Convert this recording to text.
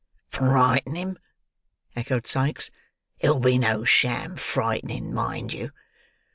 "Frighten him!" echoed Sikes. "It'll be no sham frightening, mind you.